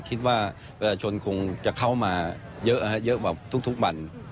คิดว่าประชาชนคงจะเข้ามาเยอะเยอะกว่าทุกวัน